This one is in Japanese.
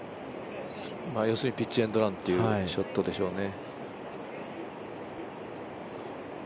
要するにピッチ・エンド・ランというショットでしょうね。